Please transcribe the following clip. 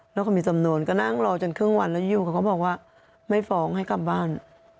แล้วก็มีจำนวนก็นั่งรอจนครึ่งวันแล้วอยู่เขาก็บอกว่าไม่ฟ้องให้กลับบ้าน